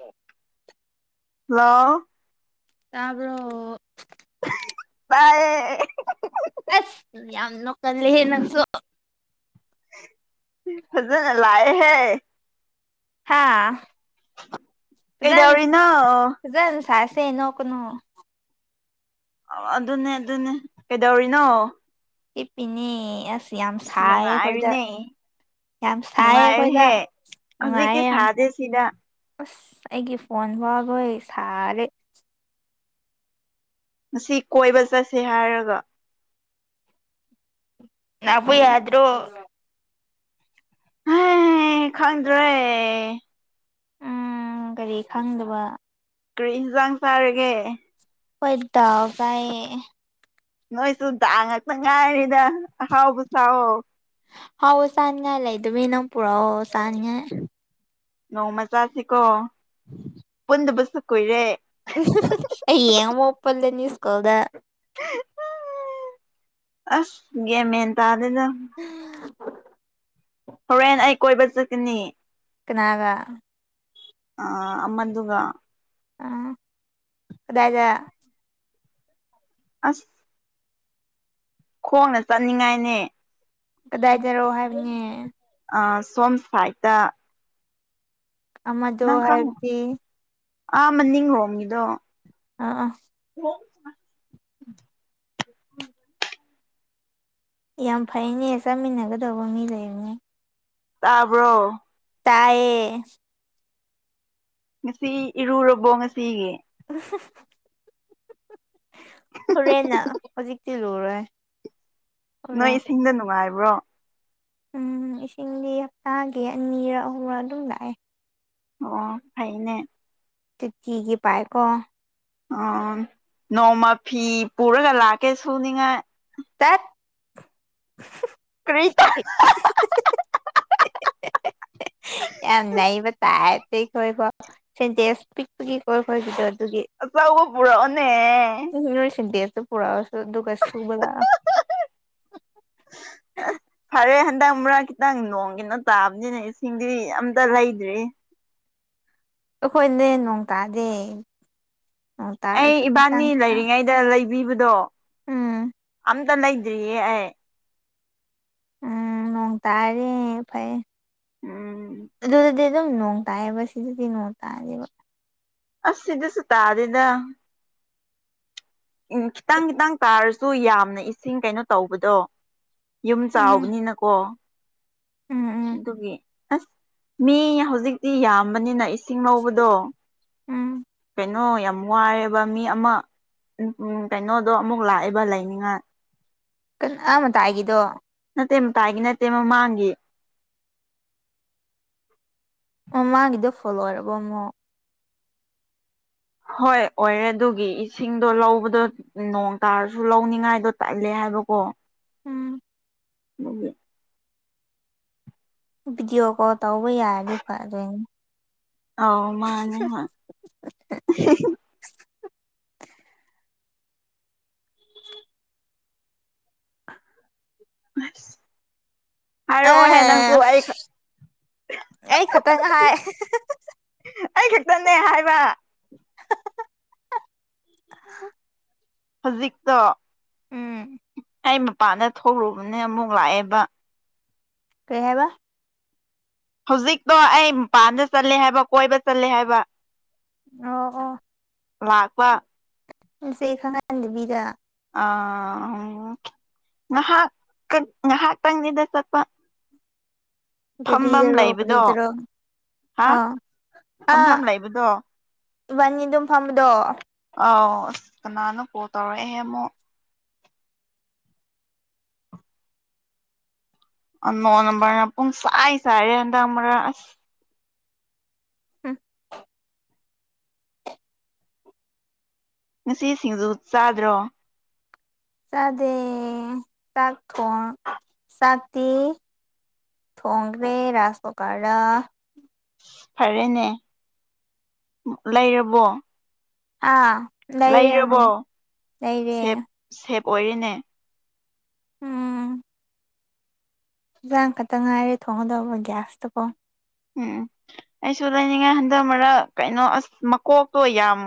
ꯎ ꯍ ꯇꯄꯔ ꯕꯥꯏ ꯑꯁ ꯌꯥꯝ ꯅ ꯀꯗ ꯂꯩꯦ ꯍꯦ ꯅꯁꯨ ꯐꯖ ꯂꯑ ꯍ ꯀꯩꯗꯧꯔꯤꯅꯣ ꯍꯥꯥꯟꯖꯟꯁ ꯁꯦ ꯅꯣ ꯀꯅꯨ ꯑꯗꯨꯅꯦ ꯑꯗꯨꯅꯦ ꯀꯩꯗꯧꯔꯤꯅꯣ ꯍꯤꯞꯄꯤꯅꯦ ꯑꯁ ꯌꯥꯝ ꯁꯥꯏ ꯑꯩꯈꯣꯏꯗ ꯅꯨꯡꯉꯥꯏꯔꯤꯅꯦ ꯌꯥꯝ ꯁꯥꯏꯌꯦ ꯑꯩꯈꯣꯏꯗ ꯅꯨꯡꯉꯥꯏꯔꯤꯍꯦ ꯍꯧꯖꯤꯛꯇꯤ ꯁꯥꯗꯦ ꯁꯤꯗ ꯑꯩꯒꯤ ꯐꯣꯟ ꯐꯥꯎꯕꯣꯏ ꯁꯥꯔꯦ ꯉꯁꯤ ꯀꯣꯏꯕ ꯆꯠꯁꯦ ꯍꯥꯏꯔꯒ ꯅꯕꯨ ꯌꯥꯗ꯭ꯔꯣ ꯈꯪꯗ꯭ꯔꯦ ꯎꯝ ꯀꯔꯤ ꯈꯪꯗꯕ ꯀꯔꯤ ꯏꯟꯖꯥꯡ ꯆꯥꯔꯒꯦ ꯑꯣꯏꯣꯏꯗꯥ ꯀꯌꯦ ꯅꯣꯏꯁꯨ ꯇꯥꯡꯉꯛꯇ ꯉꯥꯏꯔꯤꯗ ꯑꯍꯥꯎꯕ ꯁꯥꯎꯑꯣ ꯍꯥꯎꯑꯣ ꯆꯥꯅꯤꯡꯉꯥꯏ ꯂꯩꯗꯃꯤ ꯅꯪ ꯄꯨꯔꯛꯑꯣ ꯆꯥꯅꯤꯡꯉꯥꯏ ꯅꯣꯡꯃꯆꯥꯁꯤꯀꯣ ꯄꯨꯟꯗꯕꯁꯨ ꯀꯨꯏꯔꯦ ꯌꯦꯡ ꯃꯨꯛ ꯄꯨꯜꯂꯅꯤ ꯁ꯭ꯀꯨꯜꯗ ꯑꯁ ꯒꯦꯃꯦꯟ ꯇꯥꯗꯦꯗ ꯍꯝ ꯍꯣꯔꯦꯟ ꯑꯩ ꯀꯣꯏꯕ ꯆꯠꯀꯅꯤ ꯀꯅꯥꯒ ꯑ ꯑꯃꯗꯨꯒ ꯑ ꯑꯗꯨꯗꯒ ꯑꯁ ꯈꯣꯡꯅ ꯆꯠꯅꯤꯡꯉꯥꯏꯅꯦ ꯀꯗꯥꯏꯗꯔꯣ ꯍꯥꯏꯕꯅꯦ ꯑ ꯁꯣꯝ ꯁꯥꯏꯠꯇ ꯑꯃꯗꯣ ꯍꯥꯏꯕꯗꯤ ꯑ ꯃꯅꯤꯡ ꯔꯣꯝ ꯒꯤꯗꯣ ꯑꯥ ꯑꯥ [unintelligible] ꯌꯥꯝ ꯐꯩꯅꯦ ꯆꯥꯃꯤꯟꯅꯒꯗꯧꯕ ꯃꯤ ꯂꯩꯕꯅꯦ ꯇꯥꯕ꯭ꯔꯣ ꯇꯥꯌꯦ ꯉꯁꯤ ꯏꯔꯨꯔꯕꯣ ꯉꯁꯤꯒꯤ [unintelligible] ꯍꯣꯔꯦꯟꯅ ꯍꯧꯖꯤꯛꯇꯤ ꯂꯨꯔꯣꯏ ꯅꯣꯏ ꯍꯣꯔꯦꯟ ꯏꯁꯤꯡꯗ ꯅꯨꯡꯉꯥꯏꯕ꯭ꯔꯣ ꯎꯝ ꯏꯁꯤꯡꯗꯤ ꯍꯞꯇꯥꯒꯤ ꯑꯅꯤꯔꯛ ꯑꯍꯨꯝꯔꯛ ꯑꯗꯨꯝ ꯂꯥꯛꯑꯦ ꯑꯣ ꯐꯩꯅꯦ ꯇꯇꯤꯒꯤ ꯄꯥꯏꯀꯣ ꯎ ꯅꯣꯡꯃ ꯐꯤ ꯄꯨꯔꯒ ꯂꯥꯛꯀꯦ ꯁꯨꯅꯤꯡꯉꯥꯏ ꯇꯠ ꯀꯔꯤꯇ [unintelligible] ꯌꯥꯝ ꯅꯩꯕ ꯇꯥꯏ ꯇ ꯀ ꯁꯦꯟꯇꯦꯁ ꯄꯛ ꯄꯒꯤꯀꯣ ꯑꯥꯎꯕ ꯄꯨꯔꯣꯅꯦ ꯄꯨꯔꯥ ꯑꯁꯨ ꯗꯨꯒ ꯁꯨꯨꯕ ꯂꯥꯛꯑꯦ ꯍꯟꯗ ꯃꯨꯔꯥ ꯈꯤꯇꯪ ꯅꯣꯡꯒꯤꯅ ꯇꯥꯕꯅꯤꯅ ꯏꯁꯤꯡꯗꯤ ꯑꯝꯇ ꯂꯩꯗ꯭ꯔꯤ ꯑꯩꯈꯣꯏꯅꯦ ꯅꯣꯡ ꯇꯥꯗꯦ ꯅꯣꯡ ꯑꯩ ꯇꯥꯔꯁꯨ ꯈꯤꯇꯪ ꯏꯕꯥꯅꯤ ꯈꯤꯇꯪ ꯂꯩꯔꯤꯉꯩꯗ ꯂꯩꯕꯤꯕꯗꯣ ꯎꯝ ꯑꯝ ꯂꯩꯗ꯭ꯔꯤꯌꯦ ꯑꯩ ꯎꯝ ꯅꯣꯡ ꯇꯥꯔꯦ ꯐꯩ ꯎꯝ ꯑꯗꯨꯗꯤ ꯑꯗꯨꯝ ꯅꯣꯡ ꯇꯥꯏꯌꯦꯕ ꯁꯤꯗꯗꯤ ꯅꯣꯡ ꯇꯥꯅꯦꯕ ꯑꯁꯤꯗꯁꯨ ꯇꯥꯗꯦꯗ ꯎꯝ ꯈꯤꯇꯪ ꯈꯤꯇꯪ ꯇꯥꯔꯁꯨ ꯌꯥꯝꯅ ꯏꯁꯤꯡ ꯀꯩꯅꯣ ꯇꯧꯕꯗꯣ ꯌꯨꯝ ꯎꯝ ꯆꯥꯎꯕꯅꯤꯅꯀꯣ ꯎꯝ ꯎꯝ ꯑꯗꯨꯒꯤ ꯑꯁ ꯃꯤ ꯍꯧꯖꯤꯛꯇꯤ ꯌꯥꯝꯕꯅꯤꯅ ꯏꯁꯤꯡ ꯉꯧꯕꯗꯣ ꯎꯝ ꯀꯩꯅꯣ ꯌꯥꯝ ꯋꯥꯔꯦꯕ ꯃꯤ ꯑꯃ ꯎ ꯎ ꯀꯩꯅꯣꯗꯣ ꯑꯃꯨꯛ ꯂꯥꯛꯑꯦꯕ ꯂꯩꯅꯤꯡꯉꯥꯏ ꯀ ꯑ ꯃ ꯇ ꯍꯥꯏꯒꯤꯗꯣ ꯅꯠꯇꯦ ꯇꯥꯏꯒꯤ ꯅꯠꯇꯦ ꯑꯃ ꯃꯥꯡꯈꯤ ꯃꯥꯒꯤꯗꯣ ꯐꯣꯂꯣ ꯑꯣꯏꯔꯕ ꯑꯃꯣ ꯍꯣꯏ ꯑꯣꯏꯔꯦ ꯑꯗꯨꯒꯤ ꯏꯁꯤꯡꯗꯣ ꯂꯧꯕꯗꯣ ꯅꯣꯡ ꯇꯥꯔꯁꯨ ꯂꯧꯅꯤꯡꯉꯥꯏꯗꯣ ꯇꯠꯂꯦ ꯍꯥꯏ ꯍꯥꯏꯕꯣ ꯀꯣ ꯎꯝ ꯃ ꯚꯤꯗꯤꯑꯣ ꯀꯣꯜ ꯇꯧꯕ ꯌꯥꯔꯗꯤ ꯐ ꯑꯗꯨ ꯑꯥꯎ ꯃꯥꯅꯦ ꯑꯁ ꯍꯥꯏꯔꯛꯑꯣꯍꯦ ꯅꯪꯁꯨ ꯑꯦ ꯑꯩ ꯑꯩ ꯈꯛꯇꯪ ꯍꯥꯏ ꯑꯩ ꯈꯛꯇꯅꯦ ꯍꯥꯏꯕ ꯍꯧꯖꯤꯛꯇ ꯎꯝ ꯑꯩ ꯃꯄꯥꯟꯗ ꯊꯣꯛꯂꯨꯕꯅꯦ ꯑꯃꯨꯛ ꯂꯥꯛꯑꯦꯕ ꯀꯩ ꯍꯥꯏꯕ ꯍꯧꯖꯤꯛꯇꯣ ꯑꯩ ꯃꯄꯥꯟꯗ ꯆꯠꯂꯦ ꯍꯥꯏꯕ ꯀꯣꯏꯕ ꯆꯠꯂꯦ ꯍꯥꯏꯕ ꯑꯣ ꯑꯣ ꯂꯄ ꯁꯦ ꯈꯪꯍꯟꯗꯕꯤꯗ ꯑ ꯉꯍꯥꯛ ꯉꯍꯥꯛ ꯇꯪꯅꯤꯗ ꯆꯠꯄ ꯐꯐꯝꯝ ꯒꯥꯔꯤꯗꯔꯣ ꯂꯩꯕꯗꯣ ꯀꯔꯤꯗꯔꯣ ꯍꯥ ꯑꯥ ꯐꯝꯐꯝꯐꯝ ꯑꯥ ꯂꯩꯕꯗꯣ ꯏꯕꯥꯅꯤ ꯑꯗꯨꯝ ꯐꯝꯕꯗꯣ ꯑꯧ ꯑꯁ ꯀꯅꯥꯅꯣ ꯀꯣꯜ ꯇꯧꯔꯛꯑꯦ ꯑꯃꯨꯛ ꯅꯣꯡ ꯅꯝꯕꯔꯅ ꯄꯨꯡꯁꯥꯏꯁꯥꯏꯔꯦꯗꯔ ꯑꯁ ꯎꯝ ꯉꯁꯤ ꯁꯤꯡꯖꯨ ꯆꯥꯗ꯭ꯔꯣ ꯆꯗꯦ ꯆꯥꯛꯊꯣꯟ ꯁꯥꯇꯤ ꯊꯣꯡꯒ꯭ꯔꯦ ꯔꯥꯁ ꯄ ꯀꯥꯥ ꯐꯔꯦꯅꯦ ꯂꯩꯔꯕꯣ ꯑꯥ ꯂꯩꯔꯦ ꯎꯝ ꯂꯩꯔꯕꯣ ꯂꯩꯔꯦ ꯁꯦꯞ ꯁꯦꯞ ꯑꯣꯏꯔꯤꯅꯦ ꯎꯝ ꯌꯦꯟꯖꯥꯡ ꯈꯛꯇ ꯉꯥꯏꯔꯦ ꯊꯣꯡꯒꯗꯧꯕ ꯒ꯭ꯌꯥꯁꯇꯨꯀꯣ ꯎꯝ ꯑꯩꯁꯨ ꯂꯩꯅꯤꯡꯉꯥꯏ ꯍꯟꯗꯛ ꯃꯔꯛ ꯀꯩꯅꯣ ꯑꯁ ꯃꯀꯣꯛꯇꯣ ꯌꯥꯝ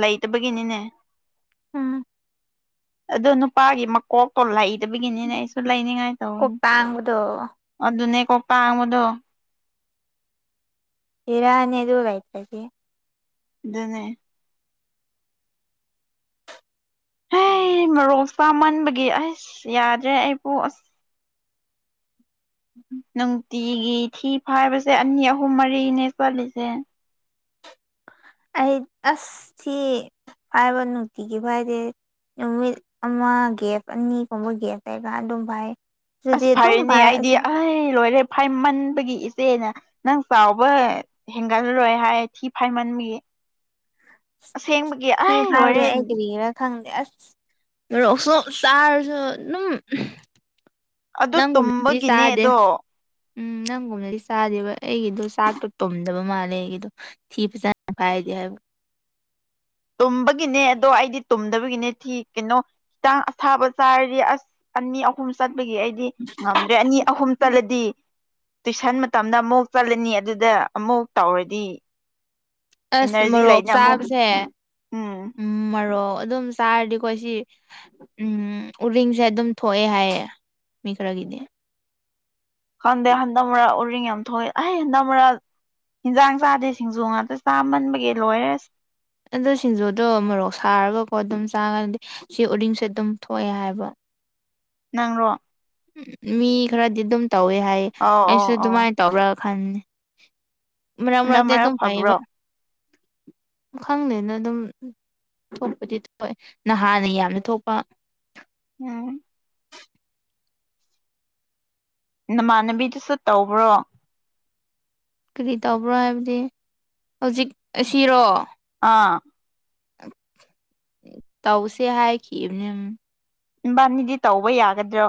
ꯂꯩꯇꯕꯒꯤꯅꯤꯅꯦ ꯎꯝ ꯑꯗꯣ ꯅꯨꯄꯥꯒꯤ ꯃꯀꯣꯛꯇꯣ ꯂꯩꯇꯕꯒꯤꯅꯤꯅꯦ ꯑꯩꯁꯨ ꯂꯩꯅꯤꯉꯥꯏ ꯀꯣꯛ ꯇꯧꯅꯤ ꯇꯥꯡꯕꯗꯣ ꯑꯗꯨꯅꯦꯀꯣ ꯀꯥꯡꯥꯡꯕꯗꯣ ꯏꯔꯅꯤ ꯑꯗꯨꯒꯥꯏꯦ ꯑꯗꯨꯅꯦ ꯍꯦ ꯃꯔꯣꯛ ꯆꯥꯃꯟꯕꯒꯤ ꯑꯁ ꯌꯥꯗ꯭ꯔꯦ ꯑꯩꯕꯨ ꯑꯁ ꯅꯨꯡꯇꯤꯒꯤ ꯊꯤ ꯐꯕꯁꯦ ꯑꯅꯤ ꯑꯍꯨꯝ ꯃꯔꯤꯅꯦ ꯆꯠꯂꯤꯁꯦ ꯑꯩ ꯑꯁꯁꯤ ꯍꯥꯏꯥꯏꯕꯅꯨ ꯇꯤꯒ ꯐꯥꯏꯗꯦ ꯅꯨꯃꯤꯠ ꯑꯃ ꯒꯦꯞ ꯑꯅꯤꯒꯨꯝꯕ ꯒꯦꯞ ꯂꯩꯩꯒ ꯑꯗꯨꯝ ꯐꯥꯏ ꯑꯁ ꯐꯔꯤꯅꯦ ꯑꯩꯗꯤ ꯑꯩ ꯂꯣꯏꯔꯦ ꯐꯥꯏꯃꯟꯕꯒꯤ ꯏꯆꯦꯅ ꯅꯪ ꯆꯥꯎꯕ ꯍꯦꯟꯒꯠꯂꯂꯣꯏ ꯍꯥꯏ ꯊꯤ ꯐꯥꯏꯃꯟꯕꯒꯤ ꯑꯁꯦꯡꯕꯒꯤ ꯊꯤ ꯑꯩ ꯐꯥꯏꯔꯦ ꯑꯩ ꯂꯣꯏꯔꯦꯅꯤ ꯀꯔꯤꯒꯤꯔꯥ ꯈꯪꯗꯦ ꯑꯁ ꯔꯣꯛꯁꯨ ꯆꯥꯔꯁꯨ ꯑꯗꯨꯝ ꯑꯗꯨ ꯅꯪꯒꯨꯝꯗꯤ ꯇꯨꯝꯕꯒꯤꯅꯦ ꯆꯥꯗꯦ ꯑꯗꯣ ꯎꯝ ꯅꯪꯒꯨꯝꯕꯅꯗꯤ ꯆꯥꯗꯦꯕ ꯑꯩꯒꯤꯗꯣ ꯆꯥꯛꯇꯣ ꯇꯨꯝꯗꯕ ꯃꯥꯜꯂꯦ ꯑꯩꯒꯤꯗꯣ ꯊꯤ ꯐꯖꯅꯥꯏ ꯍꯥꯏ ꯇꯨꯝꯕꯒꯤꯅꯦ ꯑꯗꯣ ꯑꯩꯗꯤ ꯇꯨꯝꯗꯕꯒꯤꯅꯦ ꯊꯤ ꯀꯩꯅꯣ ꯍꯈꯤꯇꯥꯡ ꯑꯁꯥꯕ ꯆꯥꯔꯗꯤ ꯑꯁ ꯑꯅꯤ ꯑꯍꯨꯝ ꯆꯠꯄꯒꯤ ꯑꯩꯗꯤ ꯉꯝꯗ꯭ꯔꯦ ꯑꯅꯤ ꯑꯍꯨꯝ ꯆꯠꯂꯗꯤ ꯇꯨꯏꯁꯟ ꯃꯇꯝꯗ ꯑꯃꯨꯛ ꯆꯠꯂꯅꯤ ꯑꯗꯨꯗ ꯑꯃꯨꯛ ꯇꯧꯔꯗꯤ ꯑꯁ ꯏꯅꯔꯖꯤ ꯃꯣꯔꯣꯛ ꯂꯩꯅ ꯑꯃꯨꯛ ꯆꯥꯕꯁꯦ ꯎꯝ ꯃꯔꯣꯔꯣꯛ ꯑꯗꯨꯝ ꯆꯥꯔꯗꯤ ꯑꯩꯈꯣꯏ ꯁꯤ ꯎꯝ ꯎꯔꯤꯡꯁꯦ ꯑꯗꯨꯝ ꯊꯣꯛꯑꯦ ꯍꯥꯏꯌꯦ ꯃꯤ ꯈꯔꯒꯗꯤ ꯈꯪꯗꯦ ꯍꯟꯗ ꯃꯔꯥ ꯎꯔꯤꯡ ꯌꯥꯝ ꯊꯣꯛꯑꯦ ꯑꯩ ꯍꯟꯗ ꯃꯔꯥ ꯍꯟꯖꯥꯡ ꯆꯥꯗꯦ ꯁꯤꯡꯖꯨ ꯉꯥꯛꯇ ꯆꯥꯝꯃꯟꯕꯒꯤ ꯂꯣꯏꯔꯁ ꯑꯗ ꯁꯤꯡꯖꯨꯗꯣ ꯃꯣꯔꯣꯛ ꯁꯥꯔꯒꯀꯣ ꯑꯗꯨꯝ ꯆꯥꯉꯗꯤ ꯁꯤ ꯎꯔꯤꯡꯁꯦ ꯑꯗꯨꯝ ꯊꯣꯛꯑꯦ ꯍꯥꯏꯕ [unintelligible] ꯅꯪ꯭ꯔꯣ ꯎ ꯃꯤ ꯈꯔꯗꯤ ꯑꯗꯨꯝ ꯇꯧꯋꯦ ꯍꯥꯏ ꯑꯧ ꯑꯩꯁꯨ ꯑꯧ ꯑꯧ ꯑꯗꯨꯃꯥꯏꯅ ꯇꯧꯔꯒ ꯈꯟꯅꯤ ꯃꯔꯛ ꯍꯟꯗꯛ ꯃꯔꯛꯇꯤ ꯑꯗꯨꯝ ꯐꯩꯌꯦꯕ ꯐꯕ꯭ꯔꯣ ꯈꯪꯗꯦꯅ ꯑꯗꯨꯝ ꯈꯣꯠꯄꯗꯤ ꯊꯣꯛꯦ ꯅꯍꯥꯟꯗ ꯌꯥꯝꯅ ꯊꯣꯛꯄ ꯎꯝ ꯅꯃꯥꯟꯅꯕꯤꯗꯨꯁꯨ ꯇꯧꯕ꯭ꯔꯣ ꯀꯔꯤ ꯇꯧꯕ꯭ꯔꯣ ꯍꯥꯏꯕꯗꯤ ꯍꯧꯖꯤꯛ ꯑꯁꯤꯔꯣ ꯑꯥ ꯇꯧꯁꯦ ꯍꯥꯏꯈꯤꯕꯅꯦ ꯏꯕꯥꯅꯤꯗꯤ ꯇꯧꯕ ꯌꯥꯒꯗ꯭ꯔꯣ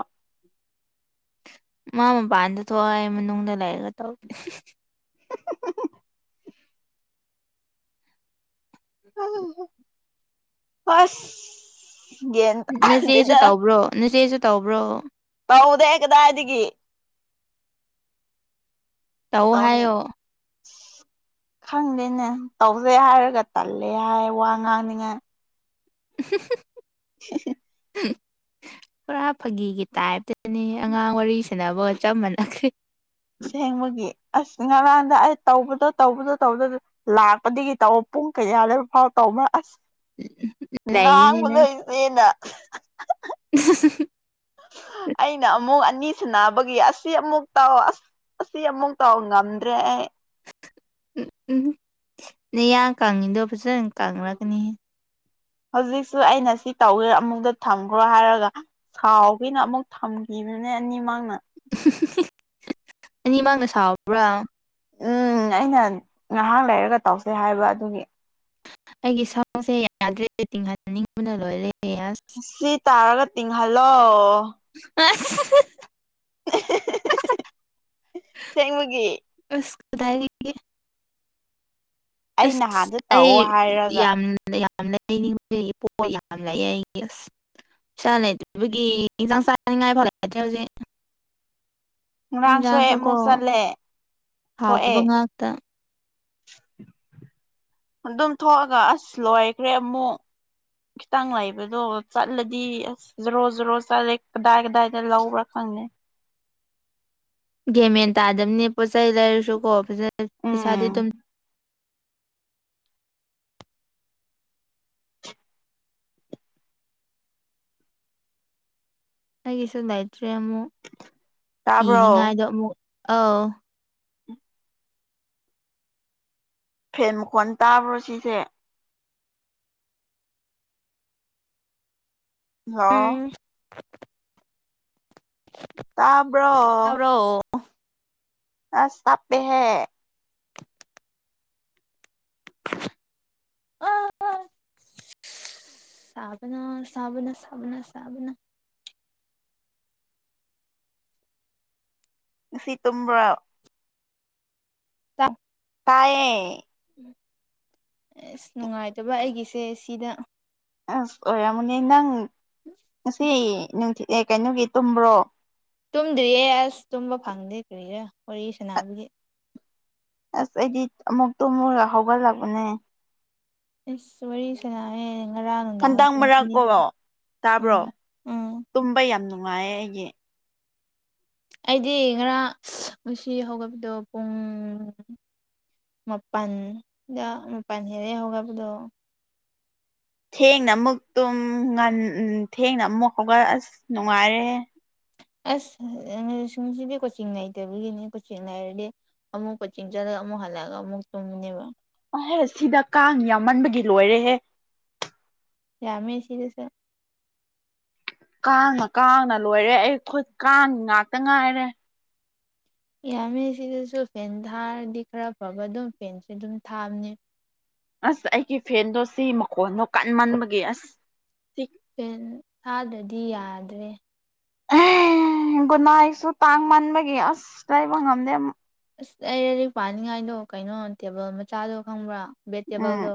ꯃꯥ ꯃꯄꯥꯟꯗ ꯊꯣꯛꯑ ꯑꯩ ꯃꯅꯨꯡꯗ ꯂꯩꯔꯒ ꯇꯧꯕꯅꯦ [unintelligible] ꯍꯁ ꯅꯆꯦꯁꯨ ꯇꯧꯕ꯭ꯔꯣ ꯅꯆꯦꯁꯨ ꯇꯧꯕ꯭ꯔꯣ ꯇꯥꯎꯗ ꯀꯗꯥꯗꯤꯗꯒꯤ ꯇꯧ ꯍꯥꯏꯣ ꯈꯪꯗꯦꯅꯦ ꯇꯧꯁꯦ ꯍꯥꯏꯔꯒ ꯇꯜꯂꯦ ꯍꯥꯏ ꯋꯥ ꯉꯥꯡꯅꯤꯉꯥꯏ [unintelligible] [unintelligible] ꯎꯝ ꯄꯨꯔꯥ ꯐꯥꯒꯤꯒꯤ ꯇꯥꯏꯞꯇꯅꯤ ꯑꯉꯥꯡ ꯋꯥꯔꯤꯁꯤꯅꯕ ꯆꯞ ꯃꯥꯟꯅꯦ ꯁꯦꯡꯕꯒꯤ ꯑꯁ ꯉꯔꯥꯡꯗ ꯑꯩ ꯇꯧꯕꯗꯣ ꯇꯧꯕꯗꯣ ꯇꯧꯕꯗ ꯂꯥꯛꯄꯗꯒꯤ ꯇꯧꯔ ꯄꯨꯡ ꯀꯌꯥ ꯂꯩꯣꯏꯕ ꯐꯥꯎ ꯇꯧꯕꯕ ꯑꯁ ꯂꯩꯌꯦꯅꯦ ꯅꯪ ꯉꯥꯡꯕꯗꯣꯏꯁꯦꯅ [unintelligible] ꯑꯩꯅ ꯑꯃꯨꯛ ꯑꯅꯤ ꯁꯨꯅꯕꯒꯤ ꯑꯁꯤ ꯑꯃꯨꯛ ꯇꯧ ꯑꯁ ꯑꯁꯤ ꯑꯃꯨꯛ ꯇꯧ ꯉꯝꯗ꯭ꯔꯦ ꯑꯩ ꯎꯝ ꯎꯝ ꯅ ꯌꯥ ꯀꯪꯉꯤꯗꯣ ꯐꯖꯅ ꯀꯪꯅꯛꯒꯅꯤꯍ ꯍꯧꯖꯤꯛꯁꯨ ꯑꯩꯅ ꯁꯤ ꯇꯧꯒꯦ ꯑꯃꯨꯛꯇꯗ ꯊꯝꯈ꯭ꯔꯣ ꯍꯥꯏꯔꯒ ꯁꯥꯎꯒꯤꯅ ꯑꯃꯨꯛ ꯊꯝ ꯅꯦꯅꯤ ꯃꯥꯡꯅ ꯑꯅꯤꯃꯥꯡꯅ ꯁꯥꯎꯕ꯭ꯔꯥ ꯎꯝ ꯑꯩꯅ ꯉꯥꯏꯍꯥꯛ ꯂꯩꯔꯒ ꯇꯧꯁꯦ ꯍꯥꯏꯕ ꯑꯗꯨꯒꯤ ꯑꯩꯒꯤ ꯁꯥꯎꯟꯁꯦ ꯌꯥꯗ꯭ꯔꯦ ꯔꯦꯇꯤꯡꯍꯍꯅꯤꯡꯕꯅ ꯂꯣꯏꯔꯦ ꯌꯥꯁ ꯁꯤ ꯇꯥꯔꯒ ꯇꯤꯡꯍꯜꯂꯣ ꯑ ꯑꯁꯦꯡꯕꯒꯤ ꯑꯁꯀꯗꯥꯥꯏ ꯑꯩ ꯑꯁ ꯅꯍꯥꯟꯁꯨ ꯑꯩ ꯇꯧꯑꯣ ꯍꯥꯏꯔꯒ ꯌꯥꯝ ꯌꯥꯝ ꯂꯩꯥꯏꯅꯤꯡꯕ ꯄꯣ ꯌꯥꯝ ꯂꯥꯏꯌꯦ ꯑꯁ ꯄꯥ ꯂꯩꯇꯦꯕꯒꯤ ꯏꯟꯁꯥꯡ ꯆꯥꯅꯤꯡꯉꯥꯏ ꯐꯥꯎꯔꯛꯗꯦ ꯍꯧꯖꯤꯛ ꯉꯔꯥꯡꯁꯨ ꯑꯩ ꯌꯥꯁꯨ ꯀꯣ ꯑꯃꯨꯛ ꯆꯠꯂꯦ ꯐꯥꯎ ꯊꯣꯛꯑꯦ ꯇ ꯉꯥꯛꯇ [unintelligible] ꯑꯗꯨꯝ ꯊꯣꯛꯑꯒ ꯑꯁ ꯂꯣꯏꯈ꯭ꯔꯦ ꯑꯃꯨꯛ ꯈꯤꯇꯪ ꯂꯩꯕꯗꯣ ꯆꯠꯂꯗꯤ ꯑꯁ ꯖꯔꯣ ꯖꯔꯣ ꯆꯠꯂꯦ ꯀꯗꯥꯏ ꯀꯗꯥꯏꯗ ꯂꯧꯕ꯭ꯔꯥ ꯈ [unintelligible] ꯒꯦꯃꯦꯟ ꯇꯥꯗꯕꯅꯤ ꯄꯣꯠ ꯆꯩ ꯂꯩꯔꯁꯨꯀꯣ ꯄꯩꯁꯥꯗꯤ ꯎꯝ ꯑꯗꯨꯝ ꯑꯩꯒꯤꯁꯨ ꯂꯩꯇ꯭ꯔꯦ ꯑꯃꯨꯛ ꯇꯥꯕ꯭ꯔꯣ ꯏꯅꯤꯡꯉꯥꯏꯗꯣ ꯑꯃꯨꯛ ꯑꯥꯎ ꯐꯦꯟ ꯃꯈꯣꯟ ꯇꯥꯕ꯭ꯔꯣ ꯁꯤꯁꯦ ꯎꯝ ꯑ ꯇꯥꯕ꯭ꯔꯣ ꯇꯥꯕ꯭ꯔꯣ ꯑ ꯆꯞꯄꯦ ꯍꯥꯏꯦ ꯑ ꯆꯕꯅ ꯆꯕꯅ ꯆꯕꯅ ꯁꯥꯕꯅ ꯁꯤ ꯇ꯭ꯔꯥ ꯇ ꯇꯌꯦ ꯑꯁ ꯅꯨꯡꯉꯥꯏꯇꯕ ꯑꯩꯒꯤꯁꯦ ꯁꯤꯗ ꯑꯁ ꯑꯣꯏꯔꯥꯃꯨꯅꯤ ꯅꯪ ꯉꯁꯤ ꯅꯨꯡꯊꯤ ꯀꯩꯅꯣꯒꯤ ꯇꯨꯝꯕ꯭ꯔꯣ ꯇꯨꯝꯗ꯭ꯔꯤꯌꯦ ꯑꯁ ꯇꯨꯝꯕ ꯐꯪꯗꯦ ꯀꯔꯤꯔꯥ ꯋꯥꯔꯤ ꯁꯅꯥꯅꯕꯒꯤ ꯑꯁ ꯑꯩꯗꯤ ꯑꯃꯨꯛꯇꯣꯃꯨꯔꯒ ꯍꯧꯒꯠꯂꯛꯄꯅꯦ ꯏꯁꯁ ꯋꯥꯔꯤ ꯋꯥꯔꯤ ꯁꯅꯥꯑꯦ ꯍꯟꯇꯥꯡ ꯃꯔꯥꯛꯀ ꯇꯥꯕ꯭ꯔꯣ ꯎꯝ ꯎꯝ ꯇꯨꯝꯕ ꯌꯥꯝ ꯅꯨꯡꯉꯥꯏ ꯅꯨꯡꯉꯥꯏꯌꯦ ꯑꯩꯒꯤ ꯑꯩꯗꯤ ꯉꯔꯥꯡ ꯉꯁꯤ ꯍꯧꯒꯠꯈꯤꯕꯗꯣ ꯄꯨꯡ ꯃꯥꯄꯜꯗ ꯃꯄꯜ ꯍꯦꯜꯂꯦ ꯍꯧꯒꯕꯗꯣ ꯊꯦꯡꯅ ꯑꯃꯨꯛ ꯇꯨꯝ ꯉ ꯊꯦꯡꯅ ꯑꯃꯨꯛ ꯍꯧꯒꯠ ꯑꯁ ꯅꯨꯡꯉꯥꯏꯔꯦ ꯑꯁ ꯁꯁꯤꯡꯁꯤꯗꯤ ꯀꯣꯆꯤꯡ ꯂꯩꯇꯕꯒꯤꯅꯤ ꯀꯣꯆꯤꯡ ꯂꯩꯔꯗꯤ ꯑꯃꯨꯛꯀ ꯆꯤꯡ ꯆꯠꯂꯒ ꯑꯃꯨꯛ ꯍꯜꯂꯛꯑꯒ ꯑꯃꯨꯛ ꯆꯨꯝꯅꯦꯕ ꯑꯍꯦ ꯁꯤꯗ ꯀꯥꯡ ꯌꯥꯝꯃꯟꯕꯒꯤ ꯂꯣꯏꯔꯦꯍꯦ ꯌꯥꯃꯦ ꯁꯤꯔꯁ ꯀꯥꯡꯅ ꯀꯥꯡꯅ ꯂꯣꯏꯔꯦ ꯑꯩ ꯈꯨꯠ ꯀꯥꯡ ꯉꯥꯛꯇ ꯉꯥꯏꯔꯦ ꯌꯥꯝꯃꯦ ꯁꯤꯗꯁꯨ ꯐꯦꯟ ꯊꯥꯔꯗꯤ ꯈꯔ ꯐꯕ ꯑꯗꯨꯝ ꯐꯦꯟꯁꯦ ꯑꯗꯨꯝ ꯊꯥꯕꯅꯦ ꯑꯁ ꯑꯩꯒꯤ ꯐꯦꯟꯗꯣ ꯁꯤ ꯃꯈꯣꯟꯗꯣ ꯀꯟ ꯃꯟꯕꯒꯤꯦ ꯑꯁ ꯄꯦꯟ ꯊꯥꯗꯗꯤ ꯌꯥꯗ꯭ꯔꯦ ꯒꯨꯅꯥꯏꯁꯨ ꯇꯥꯡ ꯃꯟꯥꯟꯕꯒꯤ ꯑꯁ ꯂꯩꯕ ꯉꯝꯗꯦ ꯑꯁ ꯑꯩ ꯂꯔꯤꯛ ꯄꯥꯅꯤꯡꯉꯥꯏꯗꯣ ꯀꯩꯅꯣ ꯇꯦꯕꯜ ꯃꯆꯥꯗꯣ ꯈꯪꯕ꯭ꯔꯥ ꯕ ꯎꯝ ꯇꯦꯕꯜꯗꯣ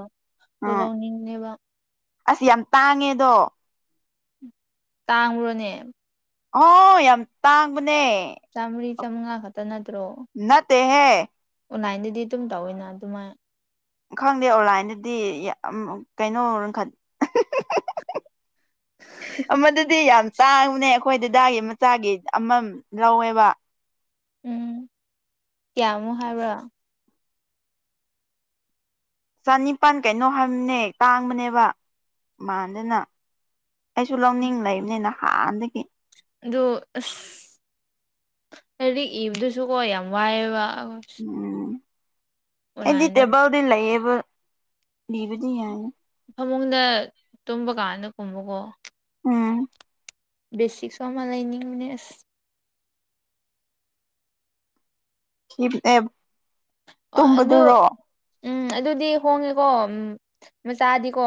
ꯂ ꯑꯥ ꯂꯧꯅꯤꯡꯅꯦꯕ ꯑꯁ ꯌꯥꯝ ꯇꯥꯡꯉꯦꯗꯣ ꯇꯥꯡꯉꯨꯔꯣꯅꯦ ꯍ ꯌꯥꯝ ꯇꯥꯡꯕꯅꯦ ꯆꯥ ꯆ ꯃꯉꯥ ꯈꯇꯅ ꯅꯠꯇ ꯍ ꯑꯣꯟꯂꯥꯏꯟꯗꯗꯤ ꯑꯗꯨꯝ ꯇꯧꯋꯏꯅ ꯑꯗꯨꯃꯥꯏꯅ ꯈꯪꯗꯦ ꯑꯣꯟꯂꯥꯏꯟꯗꯗꯤ ꯀꯩꯅꯣ ꯈ ꯃꯗꯨꯗꯤ ꯌꯥꯝ ꯇꯥꯡꯕꯅꯦ ꯑꯩꯈꯣꯏ ꯗꯦꯗꯥꯒꯤ ꯃꯆꯥꯒꯤ ꯑꯃꯝ ꯂꯧꯋꯦꯕ ꯎꯝ ꯀꯌꯥꯃꯣ ꯍꯥꯏꯕ꯭ꯔꯣ ꯆꯅꯤꯄꯥꯟ ꯀꯩꯅꯣ ꯍꯥꯏꯕꯅꯦ ꯇꯥꯡꯕꯅꯦꯕ ꯃꯗꯅ ꯑꯩꯁꯨ ꯂꯧꯅꯤꯡ ꯂꯩꯕꯅꯤꯅ ꯍꯥꯟꯅꯗꯒꯤ ꯑ ꯑꯁ ꯂꯗꯤꯛ ꯏꯕꯗꯨꯁꯨꯀꯣ ꯌꯥꯝ ꯋꯥꯏꯑꯦꯕ ꯎꯝ ꯑꯣꯟꯂꯥꯏꯟꯗ ꯑꯦꯗꯤꯇꯕꯎꯗꯤ ꯂꯩꯌꯦꯕ ꯃꯤꯕꯗꯤꯌꯥ ꯐꯃꯨꯡꯗ ꯇꯨꯝꯕ ꯀꯥꯟꯗ ꯀꯨꯝꯕꯀꯣ ꯎꯝ ꯕꯤꯁꯤꯛꯁꯨꯣ ꯑꯃ ꯂꯩꯅꯤ ꯃꯅꯤ ꯑꯦ ꯑꯗꯨ ꯑꯗꯨ ꯎꯝ ꯑꯗꯨꯗꯤ ꯍꯣꯡꯉꯦꯀꯣ ꯎꯝ ꯃꯆꯥꯗꯤꯀꯣ